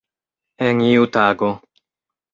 En iu tago.